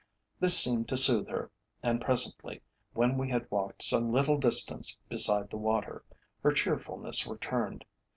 This seemed to soothe her, and presently, when we had walked some little distance beside the water, her cheerfulness returned.